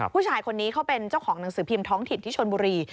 ผู้ชายคนนี้เขาเป็นเจ้าของหนังสือพิมพ์ท้องถิ่นที่ชนบุรี